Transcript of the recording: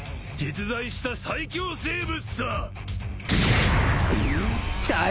実在した最強生物さ！